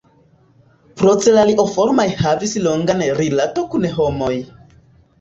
Procelarioformaj havis longan rilato kun homoj.